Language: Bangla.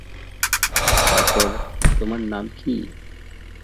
তারপর, তোমার নাম কি?